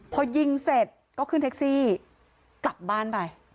พอยิงเสร็จก็ขึ้นแท็กซี่กลับบ้านไป